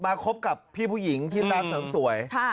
คบกับพี่ผู้หญิงที่ร้านเสริมสวย